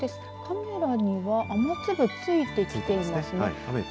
カメラには雨粒ついてきていますね。